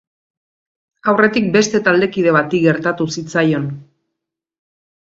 Aurretik beste taldekide bati gertatu zitzaion.